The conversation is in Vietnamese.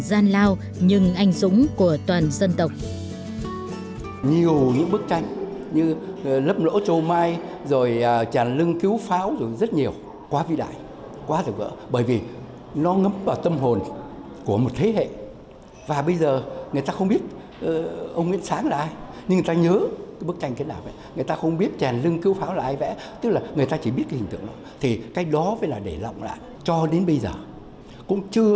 gian lao nhưng anh súng của toàn dân tộc